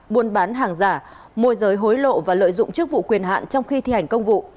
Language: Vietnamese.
buôn bán hàng giả môi giới hối lộ và lợi dụng chức vụ quyền hạn trong khi thi hành công vụ